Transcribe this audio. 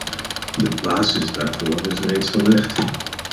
De basis daarvoor is reeds gelegd.